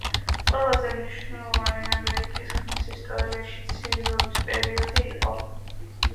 ყველაზე მნიშვნელოვანი ამერიკის ხმის ისტორიაში ცივი ომის პერიოდი იყო.